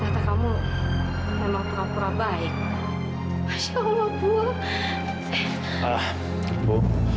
ternyata kamu memang pura pura baik